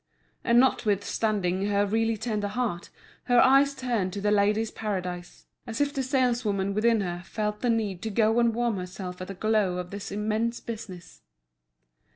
And notwithstanding her really tender heart, her eyes turned to The Ladies' Paradise, as if the saleswoman within her felt the need to go and warm herself at the glow of this immense business.